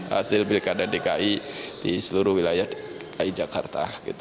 hasil bilik adat dki di seluruh wilayah dki jakarta